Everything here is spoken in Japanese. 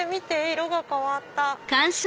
色が変わった。